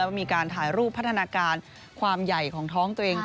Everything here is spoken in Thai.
มีการถ่ายรูปพัฒนาการความใหญ่ของท้องตัวเอง